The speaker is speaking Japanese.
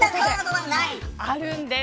あるんです。